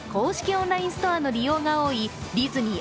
オンラインストアの利用が多いディズニー